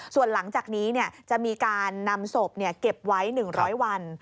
ส่วนหลังจากนี้จะมีการนำศพเก็บไว้๑๐๐วัน